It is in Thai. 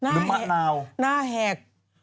หรือมะนาวน่าแห่ก